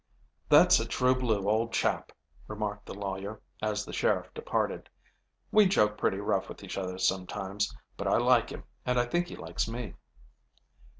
"That's a true blue old chap," remarked the lawyer, as the sheriff departed. "We joke pretty rough with each other sometimes, but I like him and I think he likes me."